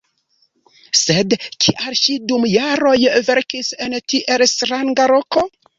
Sed kial ŝi dum jaroj verkis en tiel stranga loko?